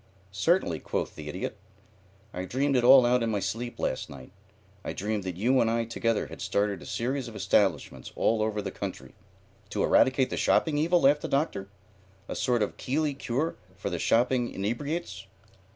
"Certainly," quoth the Idiot. "I dreamed it all out in my sleep last night. I dreamed that you and I together had started a series of establishments all over the country " "To eradicate the shopping evil?" laughed the Doctor. "A sort of Keeley Cure for shopping inebriates?"